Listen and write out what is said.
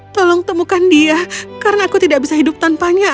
tolong temukan dia karena aku tidak bisa hidup tanpanya